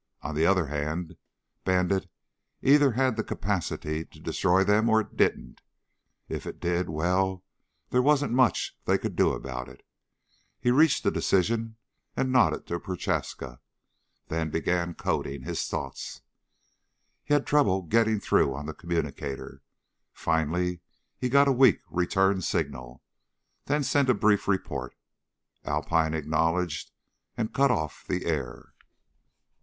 On the other hand, Bandit either had the capacity to destroy them or it didn't. If it did, well, there wasn't much they could do about it. He reached a decision and nodded to Prochaska, then began coding his thoughts. He had trouble getting through on the communicator. Finally he got a weak return signal, then sent a brief report. Alpine acknowledged and cut off the air.